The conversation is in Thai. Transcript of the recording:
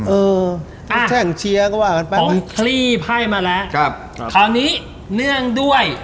อืมเออแช่งเชียร์กระวังกันไปของคลีบให้มาแล้วครับครับคราวนี้เนื่องด้วย